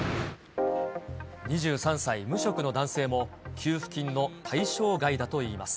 ２３歳、無職の男性も給付金の対象外だといいます。